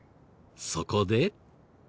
そこで。